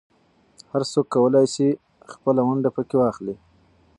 هر څوک کولای شي خپله ونډه پکې واخلي.